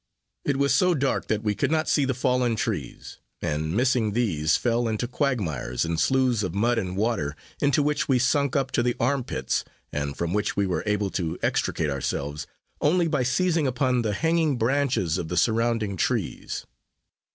It was so dark, that we could not see the fallen trees; and, missing these, fell into quagmires, and sloughs of mud and water, into which we sunk up to the arm pits, and from which we were able to extricate ourselves, only by seizing upon the hanging branches of the surrounding trees.